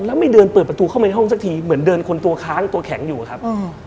แล้วไม่เดินเปิดประตูเข้ามาในห้องสักทีเหมือนเดินคนตัวค้างตัวแข็งอยู่อะครับ